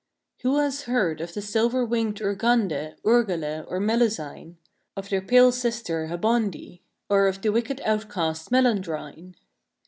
Who has heard of the silver winged Urgande , Urgele , or Melusine ; of their pale sister , Habonde ; or oj the wicked out cast , Melandrine?